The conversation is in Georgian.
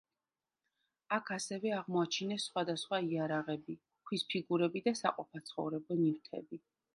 აქ ასევე აღმოაჩინეს სხვადასხვა იარაღები, ქვის ფიგურები და საყოფაცხოვრებო ნივთები.